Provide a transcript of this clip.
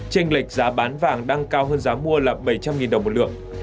tranh lệch giá bán vàng đang cao hơn giá mua là bảy trăm linh đồng một lượng